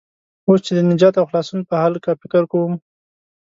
اوس چې د نجات او خلاصون په هلکه فکر کوم.